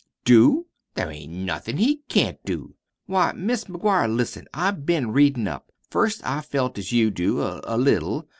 "Do? There ain't nothin' he can't do. Why, Mis' McGuire, listen! I've been readin' up. First, I felt as you do a little.